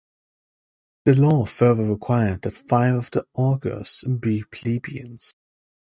The law further required that five of the augurs be plebeians.